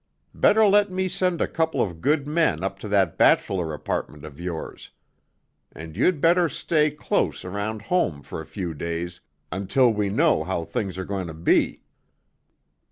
Better let me send a couple of good men up to that bachelor apartment of yours. And you'd better stay, close around home for a few days, until we know how things are going to be."